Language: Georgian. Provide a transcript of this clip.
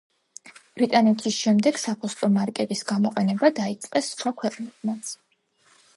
ბრიტანეთის შემდეგ საფოსტო მარკების გამოყენება დაიწყეს სხვა ქვეყნებმაც.